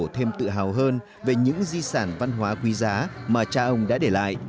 thêm tự hào hơn về những di sản văn hóa quý giá mà cha ông đã để lại